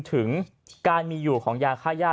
ถึงการมีอยู่ของยาค่าย่า